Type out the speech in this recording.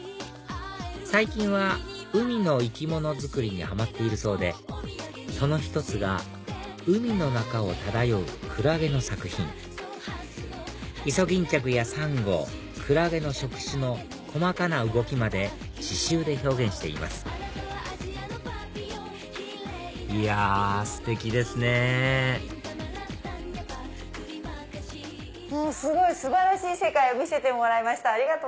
最近は海の生き物作りにハマっているそうでその１つが海の中を漂うクラゲの作品イソギンチャクやサンゴクラゲの触手の細かな動きまで刺繍で表現していますいやステキですねすごい素晴らしい世界を見せてもらいました。